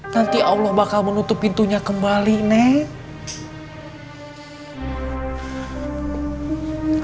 nanti allah bakal menutup pintunya kembali nih